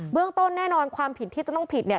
เรื่องต้นแน่นอนความผิดที่จะต้องผิดเนี่ย